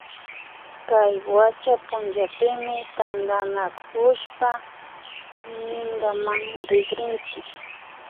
Kay wacha punchapimi tantanakushpa minkaman rikrinchi